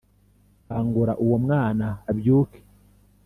kangura uwo mwana abyuke